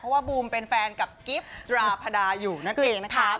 เพราะว่าบูมเป็นแฟนกับกิฟต์ดราพดาอยู่นั่นเองนะคะ